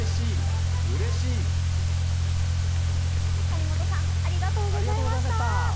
谷本さんありがとうございました。